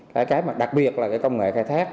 cái mà đặc biệt là cái công nghệ khai thác